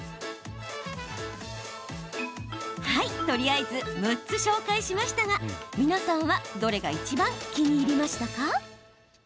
とりあえず６つ紹介しましたが皆さんは、どれがいちばん気に入りましたか？